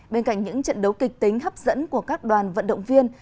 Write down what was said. bên cạnh những trận đấu kịch tính hấp dẫn của các đoàn vận động viên